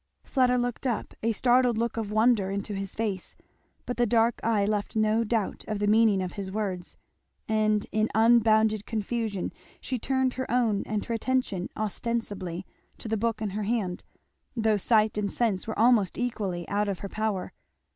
Fleda looked up, a startled look of wonder, into his face, but the dark eye left no doubt of the meaning of his words; and in unbounded confusion she turned her own and her attention, ostensibly, to the book in her hand, though sight and sense were almost equally out of her power.